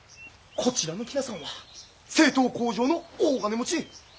こちらの喜納さんは製糖工場の大金持ち。